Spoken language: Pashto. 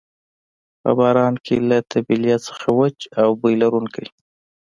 په باران کې له طبیلې څخه وچ او بوی لرونکی.